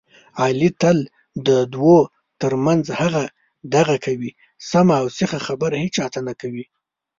علي تل د دوو ترمنځ هغه دغه کوي، سمه اوسیخه خبره هېچاته نه کوي.